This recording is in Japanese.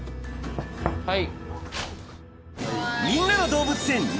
はい。